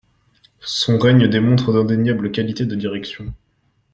Son règne démontre d'indéniable qualités de direction.